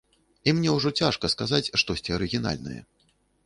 І мне ўжо цяжка сказаць штосьці арыгінальнае.